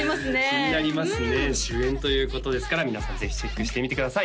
気になりますね主演ということですから皆さんぜひチェックしてみてください